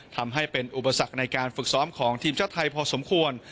ทำให้เป็นอุปสรรคในการฝึกซ้อมของทีมชาติไทยพอสมควร